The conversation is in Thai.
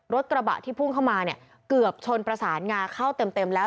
รถกระบะที่พุ่งเข้ามาเนี่ยเกือบชนประสานงาเข้าเต็มแล้ว